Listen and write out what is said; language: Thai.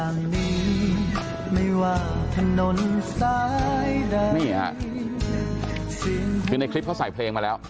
คือในคลิปเขาใส่เพลงมาแล้ว